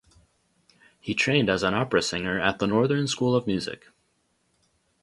He trained as an opera singer at the Northern School of Music.